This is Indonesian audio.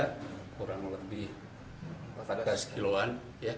kurang lebih beratnya sekiloan